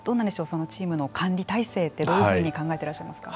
そのチームの管理体制ってどういうふうに考えてらっしゃいますか。